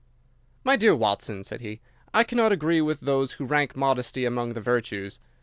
"My dear Watson," said he, "I cannot agree with those who rank modesty among the virtues.